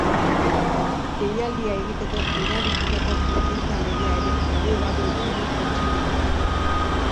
Deialdia egiteko erabilitako kontsulta legea ere baliogabe utzi du auzitegiak.